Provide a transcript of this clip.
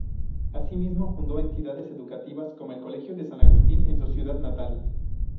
Asimismo fundó entidades educativas como el colegio San Agustín en su ciudad natal.